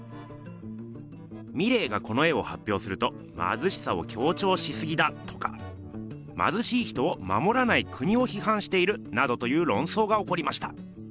ミレーがこの絵をはっぴょうすると「まずしさをきょうちょうしすぎだ」とか「まずしい人をまもらない国をひはんしている」などというろんそうがおこりました。